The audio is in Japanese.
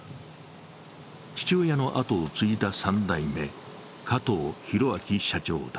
父親の後を継いだ３代目、加藤大明社長だ。